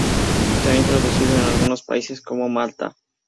Se ha introducido en algunos países como Malta.